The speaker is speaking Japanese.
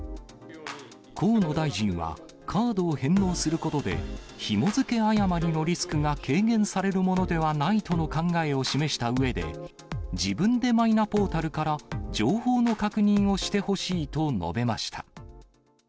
河野大臣は、カードを返納することで、ひも付け誤りのリスクが軽減されるものではないとの考えを示したうえで、自分でマイナポータルから、情報の確認をしてほしいと述べました。